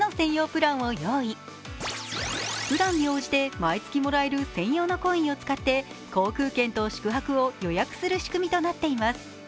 プランに応じて毎月もらえる専用のコインを使って航空券と宿泊を予約する仕組みとなっています。